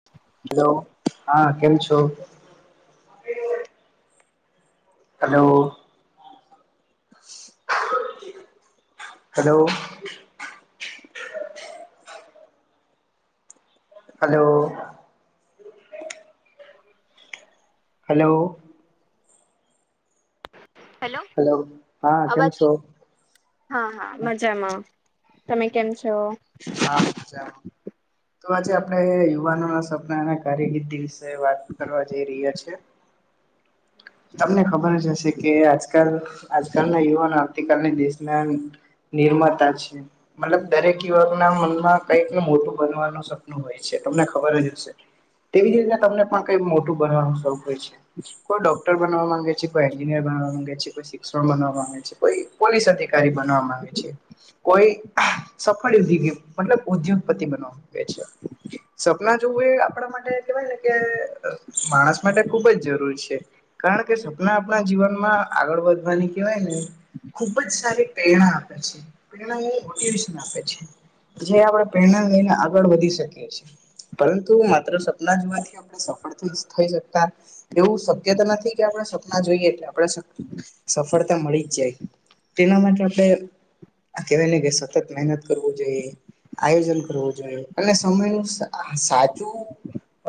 [inaudible] Hello હા કેમ છો? Hello. Hello. Hello. Hello. Hello, hello હા કેમ અવાજ છો હા હા મજામાં, તમે કેમ છો? હા મજામાં. તો આજે આપણે યુવાનોના સપના અને કારગિર્દી વિશે વાત કરવા જઈ રહ્યા છીએ. તમને ખબર જ હશે કે આજકાલ આજકાલના યુવાનો આવતીકાલના દેશના નિર્માતા છે. મતલબ દરેક યુવક ના મનમાં કઈકને મોટું બનવાનું સપનું હોય છે તમને ખબર જ હશે. તેવી જ રીતના તમને પણ કઈ મોટું બનવાનું શોખ હોય છે કોઈ ડોક્ટર માંગે છે કોઈ એન્જિનિયર બનવા માંગે છે કોઈ શિક્ષણ બનવા માંગે છે કોઈ પોલીસ અધિકારી બનવા માંગે છે કોઈ સફળ [unintelligible] મતલબ ઉદ્યોગપતિ બનવા માંગે છે. સપના જોવું એ આપણા માટે કેવાય ને કે માણસ માટે ખુબ જ જરૂરી છે. કારણ કે સપના આપણા જીવન માં આગળ વધવાની કેહેવાય ને ખુબ જ સારી પ્રેરણા આપે છે પ્રેરણા એ મોટીવેશન આપે છે. જે આપણે પ્રેરણા લઈને આગળ વધી શકીએ છીએ. પરંતુ માત્ર સપના જોવાથી આપણે સફળ થઈ શકતા એવું શક્ય તો નથી કે આપણે સપના જોઈએ એટલે આપણે સફળતા મળી જ જાય તેના માટે આપણે કહેવાય ને કે સતત મહેનત કરવું જોઈએ. આયોજન કરવું જોઈએ અને સમયનું સાચું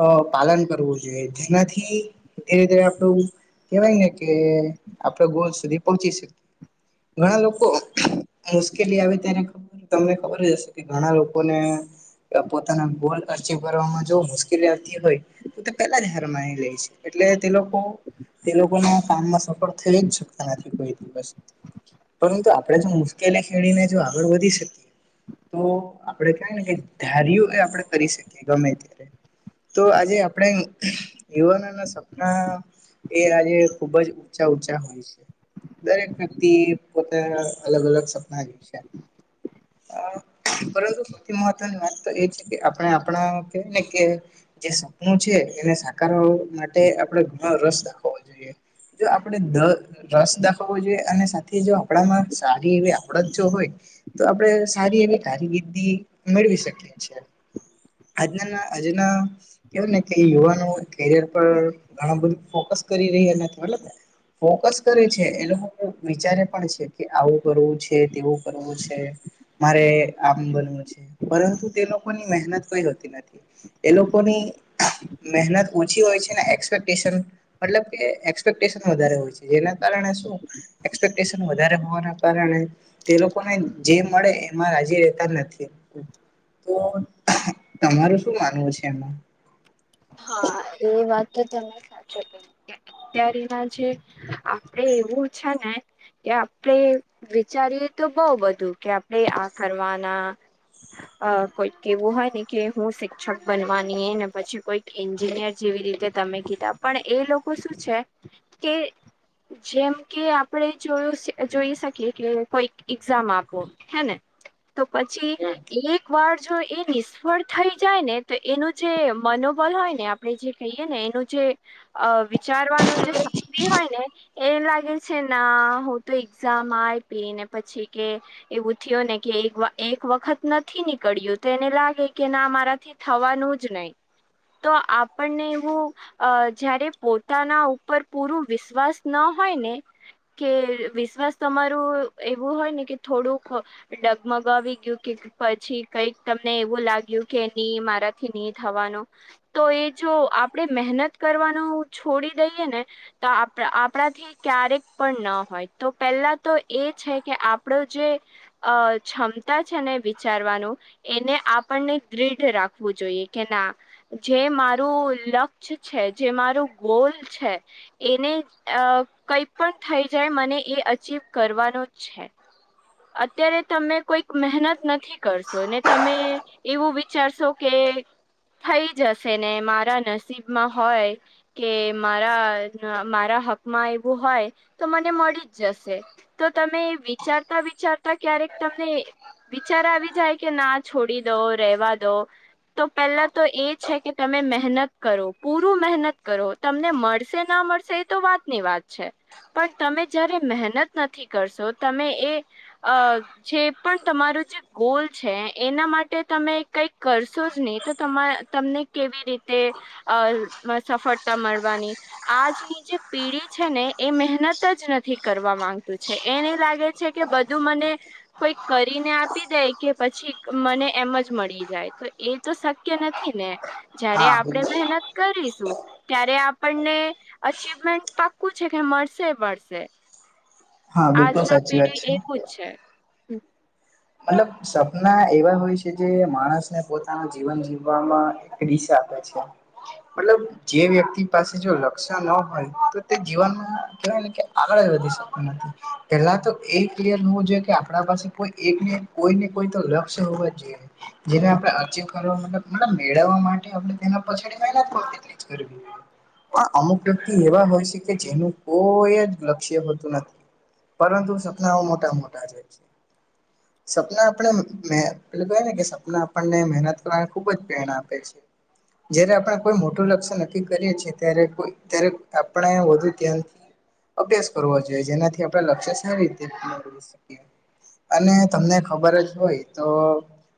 અ પાલન કરવું જોઈએ જેનાથી ધીરે ધીરે આપણું કેવાય ને કે આપડે ગોલ સુધી પોહોચી શકીએ ઘણા લોકો મુશ્કેલી આવે ત્યારે તમને ખબર જ હશે કે ઘણા લોકોને પોતાના ગોલ અર્ચીવ કરવામાં જો મુશ્કેલી આવતી હોય તે પેલા જ હાર માની લેય છે એટલે તે લોકો તે લોકોનો કામમાં સફળ થઈ જ શકતા નથી કોઈ દિવસ પરંતુ આપણે જો મુશ્કેલી ખેડીને જો આગળ વધી શકીએ તો આપડે કઈ ને કે ધાર્યું એ આપણે કરી શકીએ ગમે ત્યારે તો આજે આપણે યુવાનોના સપના એ આજે ખુબ જ ઊંચા ઊંચા હોય છે. દરેક વ્યક્તિ પોતાના અલગ અલગ સપના જે છે પરંતુ સૌથી મહત્વની વાત તો એ છે કે આપણે આપણા કેય ને કે જે સપનું છે એને સાકારવા માટે આપણે ઘણો રસ દાખવો જોઈએ. જો આપણે રસ દાખવવો જોઈએ અને સાથે જો આપણામાં સારી એવી આવડત જો હોય તો આપણે સારી એવી કારકિર્દી મેળવી શકીએ છીએ. આજનાના આજના કેવાય ને કે યુવાનો કેરિયર પર ઘણું બધું ફોકસ કરી રહી અને મતલબ ફોકસ કરે છે એ લોકો વિચારે પણ છે કે આવું કરવું છે તેવું કરવું છે. મારે આમ બનવું છે પરંતુ તે લોકોની મહેનત કઈ હોતી નથી એ લોકોની મહેનત ઓછી હોય છે ને એક્સપેક્ટેશન મતલબ કે એક્સપેક્ટેશન વધારે હોય છે જેના કારણે શું એક્સપેક્ટેશન વધારે હોવાના કારણે તે લોકોને જે મળે એમાં રાજી રહેેતા નથી. તો તમારું શું માનવું છે એમાં હા એ વાત તો તમે સાચો કીધી અત્યારે ના જે આપડે એવું છે ને કે આપણે વિચારીએ તો બહ બધું કે આપણે આ કરવાના અ કોઈક કેવું હોય ને કે હું શિક્ષક બનવાની ને પછી કોઈ એન્જિનિયર જેવી રીતે તમે કીધા પણ એ લોકો શું છે કે જેમ કે આપણેે જોયું જોઈ શકીએ કે કોઈક એક્ઝામ આપો હેને તો પછી એક વાર જો એ નિષ્ફળ થઈ જાય ને તો એનું જે મનો હોય ને આપણે જે કહીએ ને એનું જે અ વિચારવાનું જે શક્તિ હોય ને એ લાગે છે ના હું તો એક્ઝામ આયપી ને પછી કે એવું થયો ને કે એક વ એક વખત નથી નીકળ્યું તો એને લાગે કે ના મારાથી થાવાનું જ નહીં તો આપણને એવું અ જયારે પોતાના ઉપર પૂરું વિશ્વાસ ન હોય ને કે વિશ્વાસ તમારું એવું હોય ને કે થોડુંક અ ડગમગાવી ગયું કે પછી કઈક તમને એવું લાગ્યું કે ની મારાથી નઈ થવાનું તો એ જો આપડે મહેનત કરવાનું છોડી દઈએ ને તો આપ આપણાથી ક્યારેક પણ ન હોય તો પેલા તો એ છે કે આપડો જે અ છમતા છે ને વિચારવાનું એને આપણને દૃઢ રાખવું જોઈએ કે ના જે મારું લક્ષ છે જે મારું ગોલ છે એને અ કઈ પણ થઈ જાય મને એ અચીવ કરવાનો જ છે અત્યારે તમે કોઈક મહેનત નથી કરશો ને તમે એવું વિચારશો કે થઈ જશે ને મારા નસીબમાં હોય કે મારા મારા હકમાં એવું હોય તો મને મળી જ જશે તો તમે વિચારતા વિચારતા ક્યારેક તમને વિચાર આવી જાય કે ના છોડી દો રેવા દો તો પહેલા તો એ છે કે તમે મેહનત કરો પૂરું મેહનત કરો તમને મળશે ન મળશે એ તો વાત ની વાત છે પણ તમે જ્યારે મેહનત નથી કરશો તમે એ અ જે પણ તમારું જે ગોલ છે એના માટે તમે કઈક કરશો જ નહી તો તમા તમને કેવી રીતે અ સફળતા મળવાની આજની જે પીઢી છે ને એ મેહનત જ નથી કરવા માંગતું છે એને લાગે છે કે બધું મને કોઈક કરીને આપી દે કે પછી મને એમ જ મળી જાય તો એ તો સા કે નથી ને જયારે હા આપડે મેહનત કરીશું ત્યારે આપણને અચ્યુમેન્ટ પાક્કું છે કે મળશે મળશે હા બિલકુલ આજના સાચી વાત પેઢી છે. એવુજ છે મતલબ સપના એવા હોય છે જે માણસને પોતાનું જીવન જીવવામાં ત્રીસ આપે છે મતલબ જે વ્યક્તિ પાસે જો લક્ષ્ય ન હોય તો તે જીવનમાં કેવાય ન કે આગળ જ વધી શકતી નથી પેલા તો એ ક્લિયર હોવું જોઈએ કે આપ પાસે કોઈ એકને કોઈ ને કોઈ તો લક્ષ હોવા જોઈએ જેને આપણે અચીવ કરવા મતલબ મેળવવા માટે આપણે તેના પછાડી મહેનત કરવી તી એક્સપરિમેન્ટ પણ અમુક વ્યક્તિ એવા હોય છે કે જેનું કોઈ જ લક્ષ્ય હોતું નથી પરંતુ સપનાઓ મોટા મોટા છે સપના આપણે મેં પેલું કંઈએ ને કે સપના આપણને મેહનત કરવાને ખુબ જ પ્રેરણા આપે છે જયારે આપણે કોઈ મોટું લક્ષ્ય નક્કી કરીએ છીએ ત્યારે કોઈ ત્યારે આપણે વધુ ધ્યાન અભ્યાસ કરવો જોઈએ જેનાથી આપણેે લક્ષ્ય સારી રીતે મેળવી શકીએ. અને તમને ખબર જ હોય તો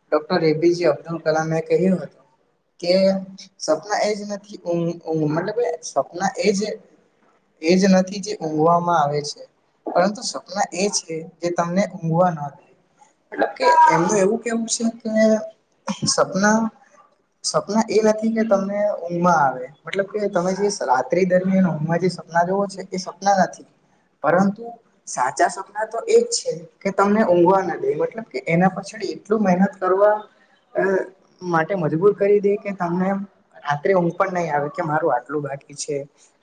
ડોક્ટર એપીજ અબ્દુલ કલામે કહ્યું હતું. કે સપના એજ નથી ઉ ઉ મતલબ કે સપના એ જે એ જ નથી જે ઊંઘવામાં આવે છે, પરંતુ સપના એ છે જે તમને સુવા ન દે. મટલબ કે એમનું એવું કેવું સે કે સપના સપના એ નથી કે તમને ઊંઘમાં આવે, મતલબ કે તમે જે સ રાત્રિ દરમિયાન ઊંઘમાં જે સપના જોવો છે એ સપના નથી, પરંતુ સાચા સપના તો એજ છે. કે તમને ઊંઘવા ના દે મતલબ કે એના પાછળ એટલું મહેનત કરવા. માટે મજબૂર કરી દે કે તમને રાત્રે હું પણ નહી આવે કે મારું આટલું બાકી છે.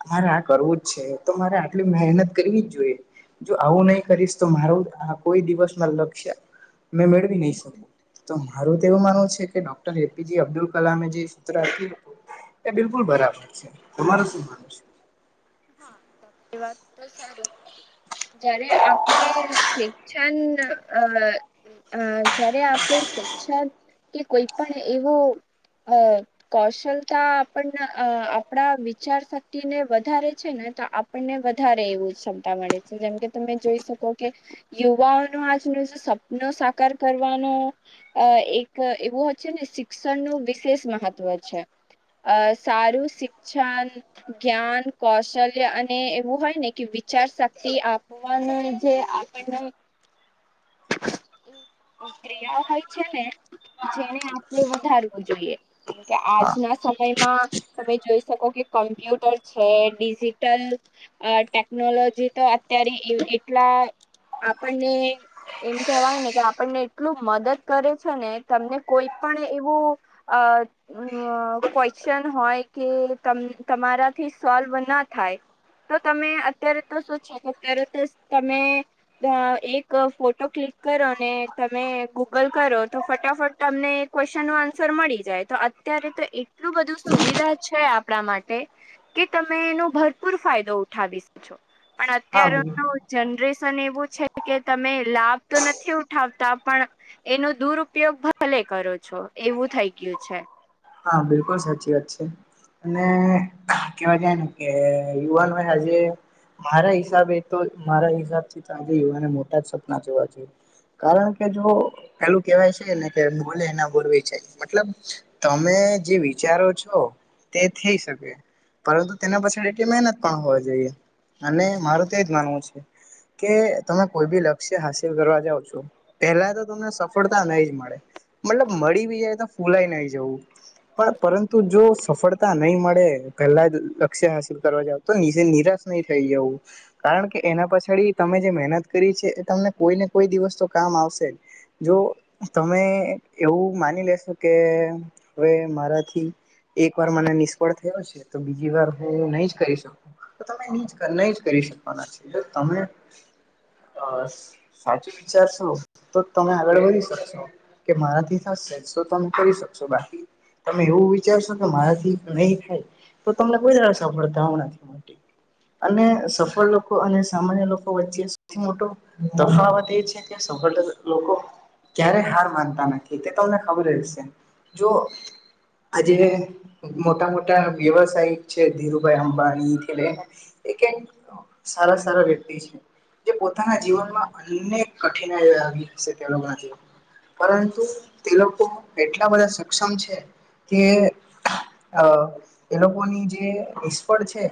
મારે આ કરવું જ છે તો મારે આટલી મહેનત કરવી જ જોઈએ. જો આવું નહી કરીશ તો મારૂ આ કોઈ દિવસ ના લક્ષ્ય મેં મેળવી નહી શકી. તો મારું તો એવું માનવું છે કે ડોક્ટર એપીજી અબ્દુલ કલામે જે શુંત્ર આપ્યું. એ બિલકુલ બરાબર છે, તમાર શું માનું છે? હા [unintelligible] જયારે આપડે શિક્ષણ અ જયારે આપણે શિક્ષણ કે કોઈ પણ એવો અ કૌશલતા આપણને આપણા વિચાર શક્તિને વધારે. છે ને તો આપણને વધારે એવું ક્ષમતા મળે છે જેમકે તમે જોઈ શકો કે. યુવાઓનો આજનો જે સપનો સાકાર કરવાનો અ એક એવું હ છે ને શિક્ષણ નું વિશેષ મહત્વ છે. અ સારું શિક્ષણ, જ્ઞાન. કૌશલ્ય અને એવું હોય ને કે વિચાર શક્તિ આપવાનું જે આપણને ત્રિયા હોય છે ને. જેને આપણે વધારવું જોઈએ, હા આજના સમયમાં તમે જોઈ શકો કે કમ્પ્યુટર છે ડિજિટલ અ ટેકનોલોજી તો અત્યારે એટલા આપણને એમ કેહેવાય ને કે આપણને એટલું મદદ કરે છે ને તમને કોઈ પણ એવું અ અ ક્વેશ્ચન હોય કે તમારાથી સોલ્વ ના થાય. તો તમે અત્યારે તો શું છે કે અત્યારે તો તમે એક ફો તો ક્લિક કરો ને તમે ગૂગલ કરો તો ફટાફટ તમને ક્વેશ્ચનનો આન્સર મળી જાય તો અત્યારે તો એટલું બધું સુવિધા છે આપણા માટે. કે તમે એનો ભરપૂર ફાયદો ઉઠાવી શ છો. પણ હા અત્યાર બોલો ન જનરેશન એવું છે કે તમે લાભ તો નથી ઉઠાવતા પણ એનો દુરુપયોગ ભલે કરો છો એવું થઈ ગયું છે. હા બિલકુલ સાચી વાત છે. અને કેવા જાય ને કે યુવાન હોય આજે મારા હિસાબે તો મારા હિસાબથી તો આજે યુવાને મોટા જ સપના જોવા જોઈએ. કારણ કે જો પેલું કેવાય છે ને કે બોલે એના બોર વેચાય જાય, મતલબ તમે જે વિચારો છો, તે થઈ શકે. પરંતુ તેના પછ એટલી મહેનત પણ હોવી જોઈએ, અને મારું તો એજ માનવું છે. કે તમે કોઈ બી લક્ષ્ય હાસિલ કરવા જાાવ છો. પેલા તો તમને સફળતા નઈ જ મળે મતલબ મળી બી જાય તો ફૂલાય નહી જવું. પણ પરંતુ જો સફળતા નહી મળે પહેલા જ લક્ષ્ય હાસિલ કરવા જાવ તો નિરાશ નહી થઈ જવું. કારણ કે એના પછાડી તમે જે મહેનત કરી છે એ તમને કોઈને કોઈ દિવસ તો કામ આવશે જ જો તમે એવું માની લેશો કે હવે મારાથી એક વાર મને નિષ્ફળ થયો છે તો બીજી વાર હું એ નહી જ કરી શકું. તો તમે ની જ નહી જ કરી શકવાના છે તમે સાચું વિચારશો તો તમે આગળ વધી શકશો. કે મારાથી થશે [unintelligible] કરી શકશો બાકી તમે એવું વિચારશો કે મારાથી નહી થાય તો તમને કોઈ દાડો સફળતાઓ નથી મળતી. અને સફળ લોકો અને સામાન્ય લોકો વચ્ચે સૌથી મોટો તફાવત એ છે કે સફળ લોકો ક્યારે હાર માનતા નથી તે તમને ખબર જ હશે જો આજે મોટા મોટા વ્યવસાયિક છે ધીરુભાઈ અંબાણીથી લઈને એ કે સારા સારા વ્યક્તિ છે. જે પોતાના જીવનમાં અનેક કઠિનાઈઓ આવી હસે તે લોકોના જીવનમાં પરંતુ તે લોકો એટલા બધા સક્ષમ છે કે એ લોકોની જે નિષ્ફળ છે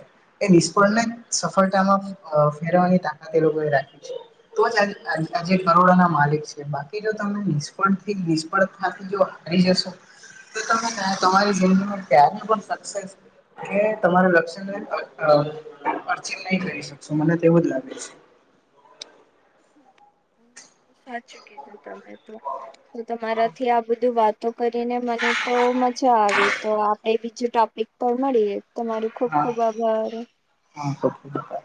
એ નિષ્ફળને સફળતામાં ફેરવાની તાકાત એ લોકોએ રાખી છે. તો જ આજ આજે કરોડોના માલિક છે બાકી જો તમને નિષ્ફળથી નિષ્ફ ળ માંથી જો ઉતરી જશો તો તમે તમારી જિંદગીમાં ક્યારે પણ સક્સેસ કે તમારા લક્ષને અ અ અર્ચીવ નહી કરી શકશો મને તો એવું જ લાગે છે સાચું કીધું તમે તો તમારાથી આ બધું વાત તો કરીને મને તો મજા આવે તો આપડે બીજું ટોપિક પણ મળીએ તમારુ ખુબ હા ખુબ આભાર હા ખૂબ ખૂબ આભાર